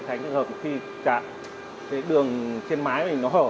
thành thức hợp khi chạm cái đường trên mái mình nó hở